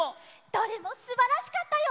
どれもすばらしかったよ！